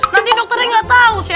nanti dokternya nggak tahu sih